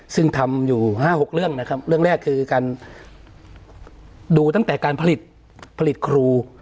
ซึ่งทำอยู่๕๖เรื่องนะครับเรื่องแรกคือการดูตั้งแต่การผลิตครู